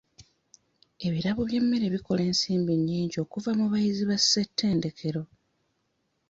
Ebirabo by'emmere bikola ensimbi nnyingi okuva mu bayizi ba ssettendekero..